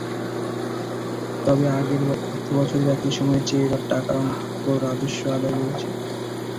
তবে আগের অর্থবছরের একই সময়ের চেয়ে এবার টাকার অঙ্কে রাজস্ব আদায় বেড়েছে।